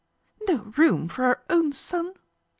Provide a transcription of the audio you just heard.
" No room for her own son